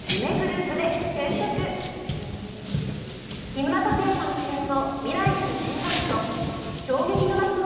木村拓哉さん主演の「未来への１０カウント」。